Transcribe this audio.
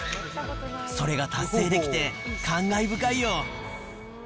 それが達成できて、感慨深いよ。